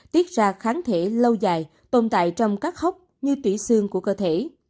tiết ra kháng thể lâu dài tồn tại trong các hốc như tủy xương của cơ thể